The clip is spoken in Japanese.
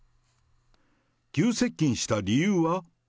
急接近した理由は？